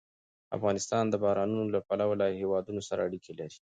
افغانستان د بارانونو له پلوه له هېوادونو سره اړیکې لري.